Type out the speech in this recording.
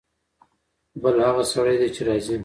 بل هغه سړی دی چې راځي.